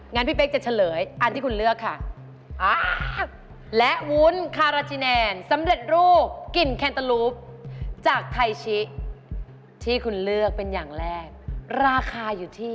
งั้นพี่เป๊กจะเฉลยอันที่คุณเลือกค่ะ